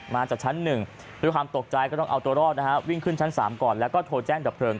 มาจากชั้น๑ด้วยความตกใจก็ต้องเอาตัวรอดนะฮะวิ่งขึ้นชั้น๓ก่อนแล้วก็โทรแจ้งดับเพลิง